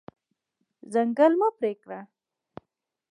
ځنګل مه پرې کړه.